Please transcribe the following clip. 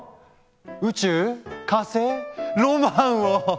宇宙火星ロマンを！